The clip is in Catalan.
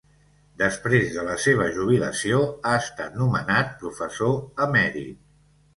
Després de la seva jubilació, ha estat nomenat professor emèrit.